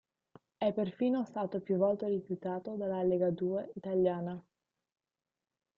È perfino stato più volte rifiutato dalla Legadue italiana.